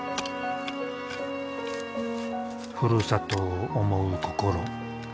ふるさとを思う心。